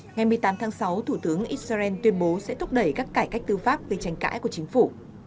ngày một mươi tám tháng sáu thủ tướng israel tuyên bố sẽ thúc đẩy các cải cách tư pháp gây tranh cãi của chính phủ